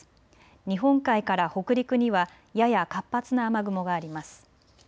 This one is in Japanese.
日本海から北陸にはやや活発な雨雲があります。